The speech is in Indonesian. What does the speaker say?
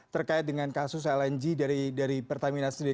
terkait dengan kasus lng dari pertamina sendiri